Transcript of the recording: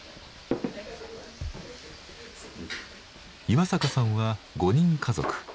岩阪さんは５人家族。